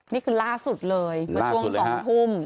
นี่คือล่าสุดเลยเมื่อช่วง๒ทุ่ม